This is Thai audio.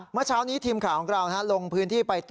เมื่อเช้านี้ทีมข่าวของเราลงพื้นที่ไปต่อ